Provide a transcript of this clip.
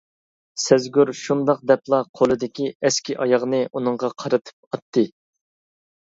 سەزگۈر شۇنداق دەپلا قولىدىكى ئەسكى ئاياغنى ئۇنىڭغا قارىتىپ ئاتتى.